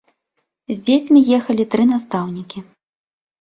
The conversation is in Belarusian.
З дзецьмі ехалі тры настаўнікі.